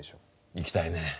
行きたいね。